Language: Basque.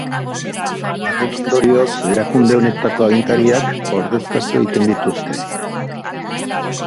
Horren ondorioz erakunde honetako agintariak ordezkatu egiten dituzte.